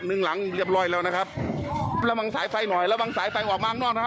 หนึ่งหลังเรียบร้อยแล้วนะครับระวังสายไฟหน่อยระวังสายไฟออกมาข้างนอกนะฮะ